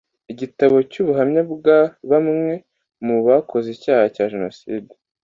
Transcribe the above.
igitabo cy ubuhamya bwa bamwe mu bakoze icyaha cya jenoside